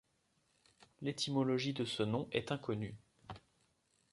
L'étymologie de ce nom est inconnu.